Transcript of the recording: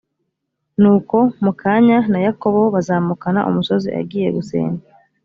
nuko mu kanya na yakobo bazamukana umusozi agiye gusenga